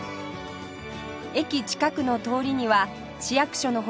駅近くの通りには市役所の他